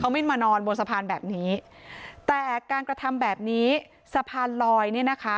ไม่มานอนบนสะพานแบบนี้แต่การกระทำแบบนี้สะพานลอยเนี่ยนะคะ